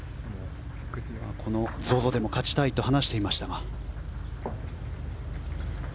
このＺＯＺＯでも勝ちたいと話していましたが。